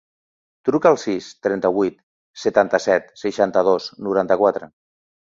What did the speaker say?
Truca al sis, trenta-vuit, setanta-set, seixanta-dos, noranta-quatre.